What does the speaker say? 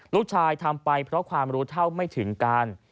ลูกชายทำไปเพราะความรู้เท่าไม่ถึงการ